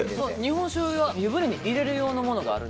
日本酒は湯船に入れる用のものがあるんですか？